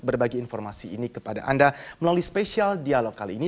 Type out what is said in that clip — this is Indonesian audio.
dan berbagi informasi ini kepada anda melalui spesial dialog kali ini